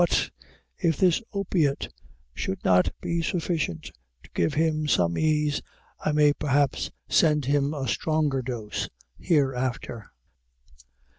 But, if this opiate should not be sufficient to give him some ease, I may, perhaps, send him a stronger dose hereafter.